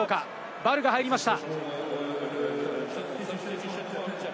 ヴァルが入りました。